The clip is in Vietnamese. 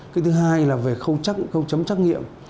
cái thứ hai là về khâu chấm trắc nghiệm